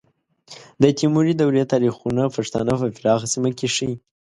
د تیموري دورې تاریخونه پښتانه په پراخه سیمه کې ښیي.